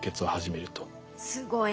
すごい。